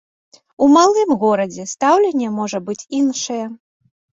У малым горадзе стаўленне можа быць іншае.